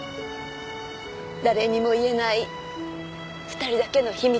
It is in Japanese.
誰にも言えない２人だけの秘密でした。